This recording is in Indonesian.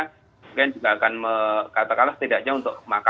mungkin juga akan katakanlah setidaknya untuk makanan ya